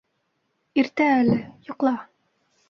- Иртә әле, йоҡла.